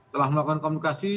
telah melakukan komunikasi